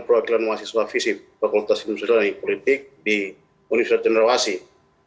proeklanoasi suafisik fakultas ilmu dan politik di universitas jenderal asyik